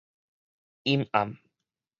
今暗